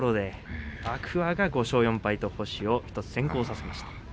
天空海が５勝４敗と星を１つ先行させました。